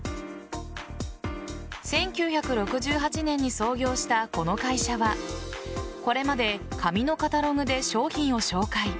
１９６８年に創業したこの会社はこれまで紙のカタログで商品を紹介。